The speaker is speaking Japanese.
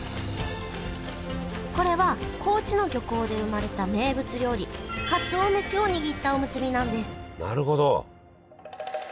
これは高知の漁港で生まれた名物料理かつお飯を握ったおむすびなんですなるほど！